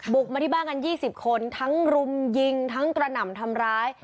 มาที่บ้านกัน๒๐คนทั้งรุมยิงทั้งกระหน่ำทำร้าย